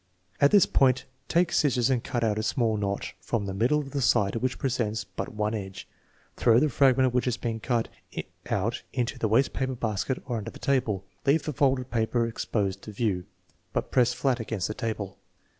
At this point take scissors and cut out a small notch from the middle of the side which presents but one edge. Throw the fragment which has been cut out into the waste basket or under the table. Leave the folded paper exposed to view, but pressed flat against the table.